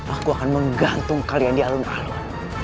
aku akan menggantung kalian di alun alun